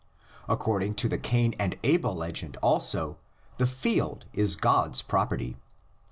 According to the Cain and Abel legend also, the field is God's property, iv.